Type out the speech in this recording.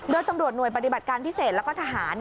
โดยตำรวจหน่วยปฏิบัติการพิเศษแล้วก็ทหาร